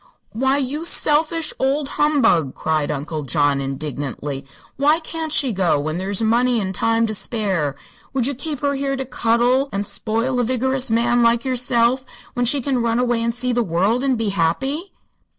"Why, you selfish old humbug!" cried Uncle John, indignantly. "Why can't she go, when there's money and time to spare? Would you keep her here to cuddle and spoil a vigorous man like yourself, when she can run away and see the world and be happy?"